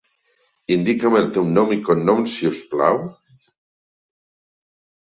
Indica'm el teu nom i cognoms, si us plau.